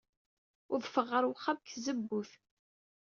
Udfeɣ ɣer uxxam seg tzewwut.